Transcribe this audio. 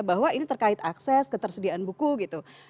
bahwa ini terkait akses ketersediaan buku gitu